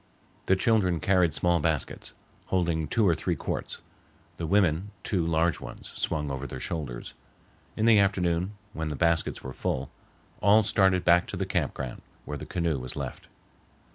The children carried small baskets, holding two or three quarts; the women two large ones swung over their shoulders. In the afternoon, when the baskets were full, all started back to the camp ground, where the canoe was left.